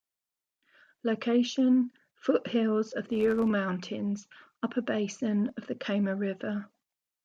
Location: foothills of the Ural Mountains, upper basin of the Kama River.